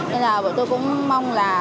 nên là tôi cũng mong là